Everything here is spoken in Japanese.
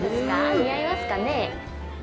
似合いますかね？